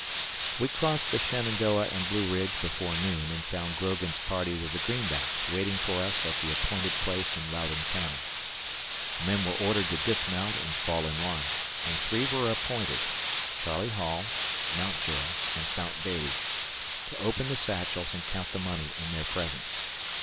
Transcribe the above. We crossed the Shenandoah and Blue Ridge before noon and found Grogan's party with the greenbacks waiting for us at the appointed place in Loudoun County. The men were ordered to dismount and fall in line, and three were appointed Charlie Hall, Mountjoy, and Fount Beattie to open the satchels and count the money in their presence.